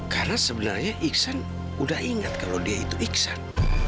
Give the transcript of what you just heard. karena sebenarnya iksan sudah ingat kalau dia itu iksan